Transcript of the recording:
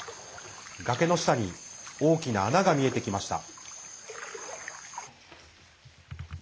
崖の下に大きな穴が見えてきました。